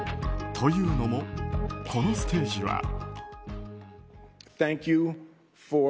というのも、このステージは。